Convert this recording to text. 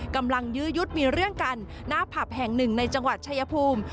ยื้อยุดมีเรื่องกันหน้าผับแห่งหนึ่งในจังหวัดชายภูมิ